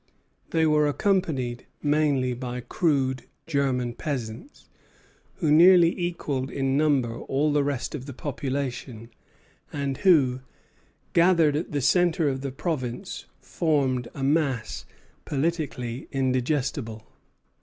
They were occupied mainly by crude German peasants, who nearly equalled in number all the rest of the population, and who, gathered at the centre of the province, formed a mass politically indigestible.